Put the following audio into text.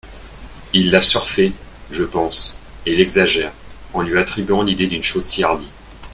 Il la surfait, je pense, et l'exagère, en lui attribuant l'idée d'une chose si hardie.